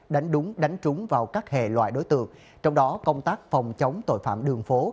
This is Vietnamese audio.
đánh đúng đánh trúng vào các hệ loại đối tượng trong đó công tác phòng chống tội phạm đường phố